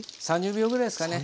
３０秒ぐらいですかね。